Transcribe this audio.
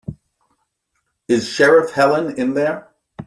Is Sheriff Helen in there?